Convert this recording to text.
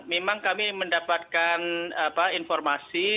memang kami mendapatkan informasi